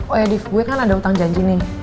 oh ya dive gue kan ada utang janji nih